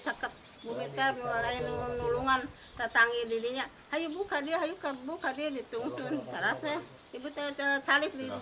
sakit bumi terlalu lain nolongan tetanggi dirinya hayukadih buka diri tunggu terasa